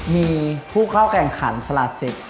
มีผู้เข้ากางขันสหรราศิษย์